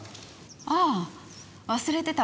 ああ忘れてたわ。